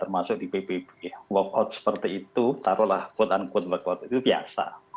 masuk di pbb workout seperti itu taruhlah quote unquote itu biasa